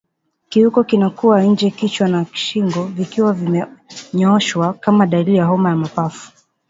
Kiwiko kinakuwa nje kichwa na shingo vikiwa vimenyooshwa kama dalili ya homa ya mapafu